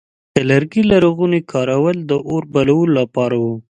د لرګي لرغونی کارول د اور بلولو لپاره و.